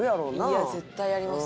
いや絶対あります。